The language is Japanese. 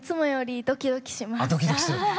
あドキドキする。